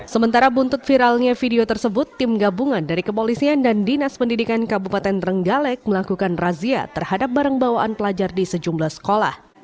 sementara buntut viralnya video tersebut tim gabungan dari kepolisian dan dinas pendidikan kabupaten trenggalek melakukan razia terhadap barang bawaan pelajar di sejumlah sekolah